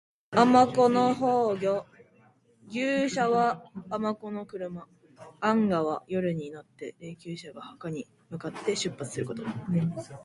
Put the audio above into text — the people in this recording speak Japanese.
天子の崩御。「宮車」は天子の車。「晏駕」は夜になって霊柩車が墓に向かって出発すること。